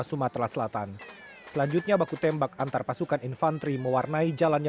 sumatera selatan selanjutnya baku tembak antar pasukan infanteri mewarnai jalannya